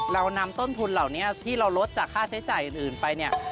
เรานำต้นทุนเหล่านี้ที่เราลดจากค่าใช้จ่ายอื่นไปเนี่ย